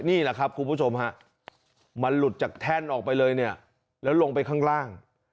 นี่แหละครับคุณผู้ชมฮะมันหลุดจากแท่นออกไปเลยเนี่ยแล้วลงไปข้างล่าง